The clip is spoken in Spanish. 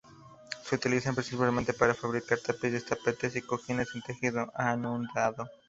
Se utilizan principalmente para fabricar tapices, tapetes y cojines en tejido anudado.